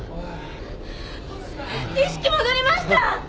意識戻りました！